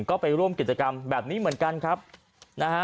ก็ไปร่วมกิจกรรมแบบนี้เหมือนกันครับนะฮะ